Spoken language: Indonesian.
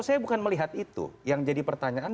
saya bukan melihat itu yang jadi pertanyaan